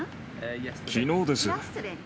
きのうです。